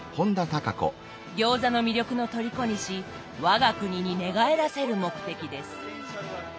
餃子の魅力の虜にし我が国に寝返らせる目的です。